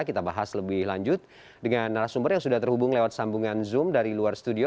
kita bahas lebih lanjut dengan narasumber yang sudah terhubung lewat sambungan zoom dari luar studio